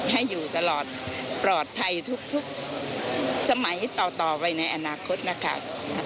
ให้อยู่ตลอดปลอดภัยทุกสมัยต่อไปในอนาคตนะคะ